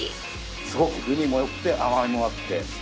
すごく風味もよくて甘みもあって。